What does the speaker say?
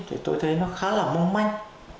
thì tôi thấy nó khá là mong manh